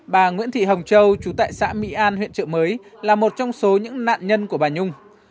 bà nguyễn thị hồng châu chú tại xã mỹ an huyện trợ mới là một trong số những nạn nhân của bà nhung